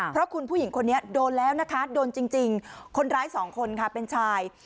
เพราะคุณผู้หญิงคนนี้โดนแล้วนะคะโดนจริงคนร้ายสองคนค่ะเป็นชาย